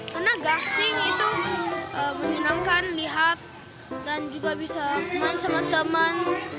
karena gasing itu menyenangkan lihat dan juga bisa main sama teman